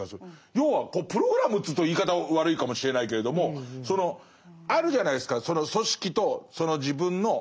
要はプログラムというと言い方悪いかもしれないけれどもそのあるじゃないですか。